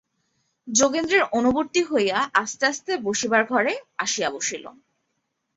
যোগেন্দ্রের অনুবর্তী হইয়া আস্তে আস্তে বসিবার ঘরে আসিয়া বসিল।